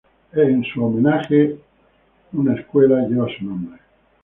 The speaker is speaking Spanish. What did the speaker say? En su homenaje una Escuela lleva su nombre.